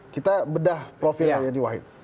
kita bedah profilnya yedi wahid